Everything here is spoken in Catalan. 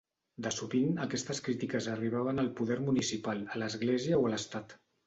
De sovint aquestes crítiques arribaven al poder municipal, a l'església o a l'estat.